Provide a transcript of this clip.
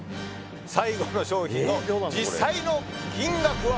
最後の商品の実際の金額は？